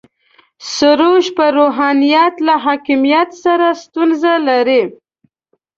سروش پر روحانیت له حاکمیت سره ستونزه لري.